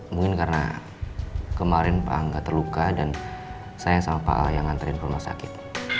mungkin karena kemarin pak a la gak terluka dan sayang sama pak a la yang ngantri rumah sakit